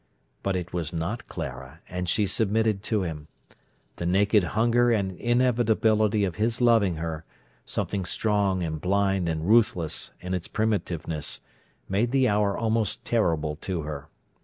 But it was not Clara, and she submitted to him. The naked hunger and inevitability of his loving her, something strong and blind and ruthless in its primitiveness, made the hour almost terrible to her.